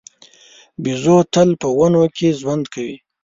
بیزو تل په ونو کې ژوند کوي.